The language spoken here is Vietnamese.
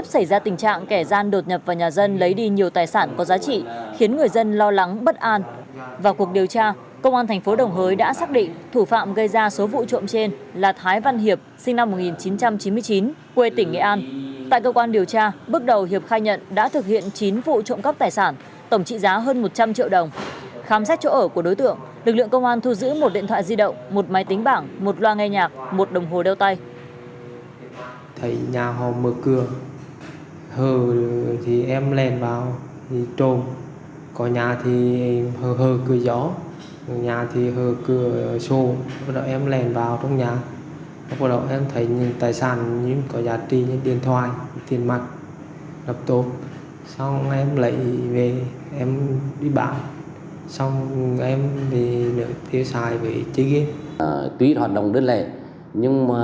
có thể có thể có thể có thể có thể có thể có thể có thể có thể có thể có thể có thể có thể có thể có thể có thể có thể có thể có thể